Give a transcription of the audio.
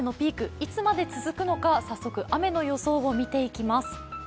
いつまで続くのか、早速、雨の予想を見ていきます。